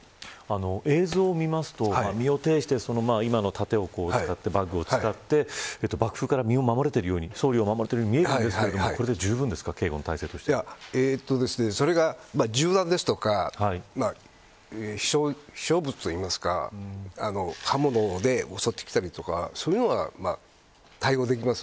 映像を見ると、身をていして今の盾を使って、バッグを使って爆風から総理を守れているように見えるんですがこれで警護の体制としてはそれが銃弾ですとか飛翔物といいますか刃物で襲ってきたりとかそういうのは対応できます。